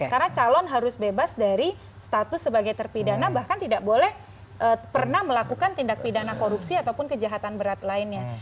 karena calon harus bebas dari status sebagai terpidana bahkan tidak boleh pernah melakukan tindak pidana korupsi ataupun kejahatan berat lainnya